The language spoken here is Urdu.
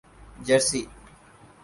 جرسی